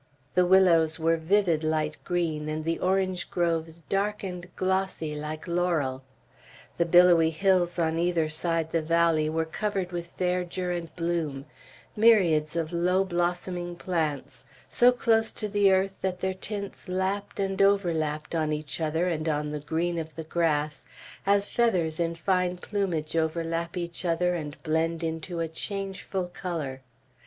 The willows were vivid light green, and the orange groves dark and glossy like laurel. The billowy hills on either side the valley were covered with verdure and bloom, myriads of low blossoming plants, so close to the earth that their tints lapped and overlapped on each other, and on the green of the grass, as feathers in fine plumage overlap each other and blend into a changeful color.